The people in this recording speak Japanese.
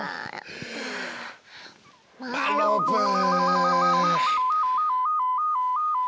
マロブー！